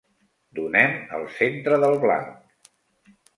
Donem al centre del blanc.